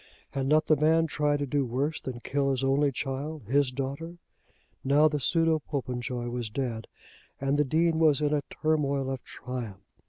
Had not the man tried to do worse than kill his only child his daughter? Now the pseudo Popenjoy was dead, and the Dean was in a turmoil of triumph.